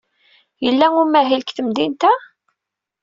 Yella umahil deg temdint-a?